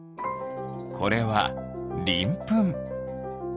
これはりんぷん。